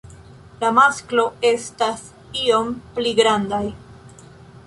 La masklo estas iom pli grandaj.